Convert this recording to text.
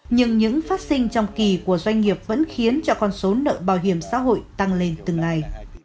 nhưng những phát sinh trong kỳ của doanh nghiệp vẫn khiến cho con số nợ bảo hiểm xã hội tăng lên từng ngày